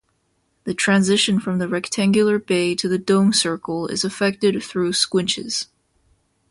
The transition from the rectangular bay to the dome circle is effected through squinches.